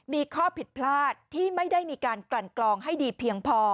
มีข้อผิดพลาดที่ไม่ได้มีการกลั่นกลองให้ดีเพียงพอ